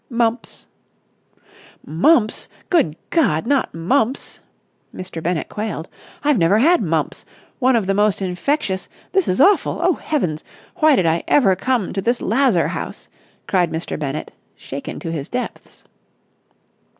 "Mumps." "Mumps! Good God! Not mumps!" Mr. Bennett quailed. "I've never had mumps! One of the most infectious ... this is awful!... Oh, heavens! Why did I ever come to this lazar house!" cried Mr. Bennett, shaken to his depths.